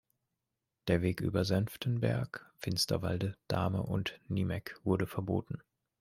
Der Weg über Senftenberg, Finsterwalde, Dahme und Niemegk wurde verboten.